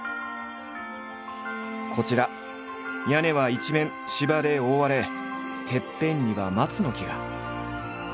こちら屋根は一面芝で覆われてっぺんには松の木が。